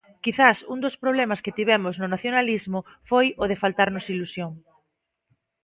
Quizás un dos problemas que tivemos no nacionalismo foi o de faltarnos ilusión.